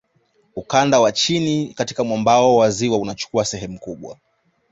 Ukanda wa chini katika mwambao wa ziwa unachukua sehemu kubwa